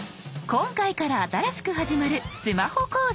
今回から新しく始まるスマホ講座。